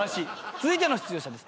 続いての出場者です。